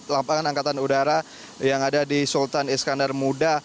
lapangan angkatan udara yang ada di sultan iskandar muda